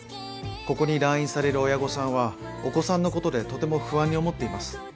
ここに来院される親御さんはお子さんの事でとても不安に思っています。